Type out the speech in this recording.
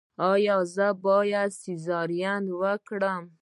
ایا زه باید سیزارین وکړم؟